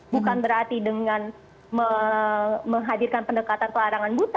bukan berarti dengan menghadirkan pendekatan pelarangan buta